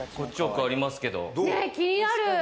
気になる。